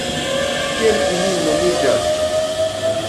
Kiel ili nomiĝas?